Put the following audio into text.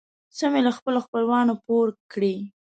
څه مې له خپلو خپلوانو پور کړې.